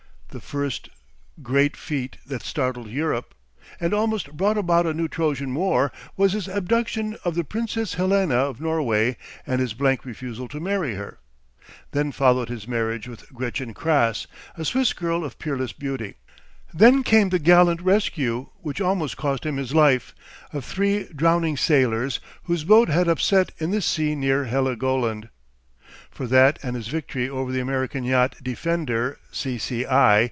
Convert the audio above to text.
The first great feat that startled Europe, and almost brought about a new Trojan war, was his abduction of the Princess Helena of Norway and his blank refusal to marry her. Then followed his marriage with Gretchen Krass, a Swiss girl of peerless beauty. Then came the gallant rescue, which almost cost him his life, of three drowning sailors whose boat had upset in the sea near Heligoland. For that and his victory over the American yacht Defender, C.C.I.